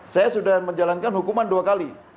saya sudah menjalankan hukuman dua kali